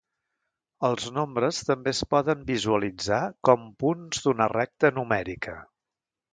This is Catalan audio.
Els nombres també es poden visualitzar com punts d'una recta numèrica.